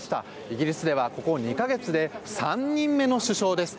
イギリスではここ２か月で３人目の首相です。